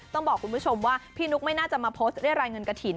ต้องบอกคุณผู้ชมว่าพี่นุ๊กไม่น่าจะมาโพสต์เรียกรายเงินกระถิ่น